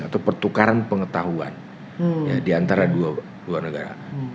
atau pertukaran pengetahuan diantara dua negara